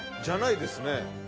じゃないですね。